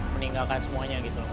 meninggalkan semuanya gitu loh